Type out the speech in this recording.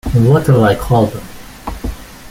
What'll I call them?